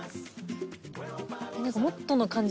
なんかもっとの感じ。